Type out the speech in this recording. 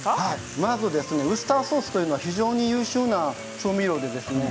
まずウスターソースは非常に優秀な調味料です。